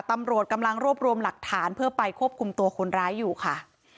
ตำรวจกำลังรวบรวมหลักฐานเพื่อไปควบคุมตัวคนร้ายอยู่ค่ะ